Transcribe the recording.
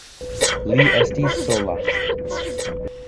Li estis sola.